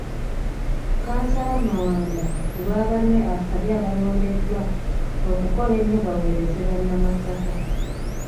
Kkansala Mawanda kulwa banne asabye abalondeddwa okukola ennyo baweereze bannamasaka .